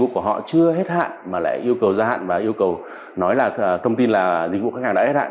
không hết hạn mà lại yêu cầu ra hạn và yêu cầu nói là thông tin là dịch vụ khách hàng đã hết hạn